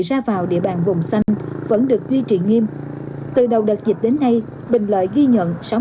ra vào địa bàn vùng xanh vẫn được duy trì nghiêm từ đầu đợt dịch đến nay bình lợi ghi nhận